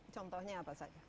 contohnya apa saja